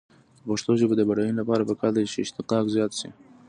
د پښتو ژبې د بډاینې لپاره پکار ده چې اشتقاق زیات شي.